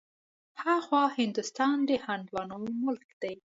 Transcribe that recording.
ها خوا هندوستان د هندوانو ملک دی.